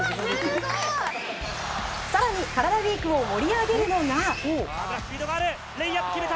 更にカラダＷＥＥＫを盛り上げるのが。